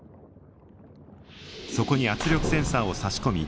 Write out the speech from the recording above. そこに圧力センサーを差し込み